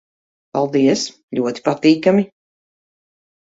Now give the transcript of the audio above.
Paldies. Ļoti patīkami...